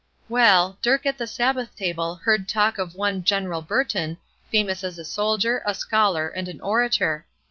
Well, Dirk at the Sabbath table heard talk of one General Burton, famous as a soldier, a scholar, and an orator.